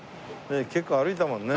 結構歩いたもんね。